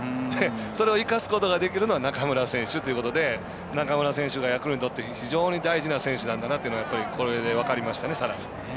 それを生かすことができるのは中村選手ということで中村選手がヤクルトにとって非常に大事な選手なんだなとやっぱり分かりましたね。